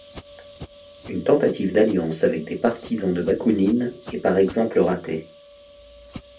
Une tentative d'alliance avec des partisans de Bakounine est par exemple ratée.